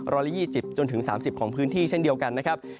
ร้อนละ๒๐๓๐ของพื้นที่เช่นเดียวกัน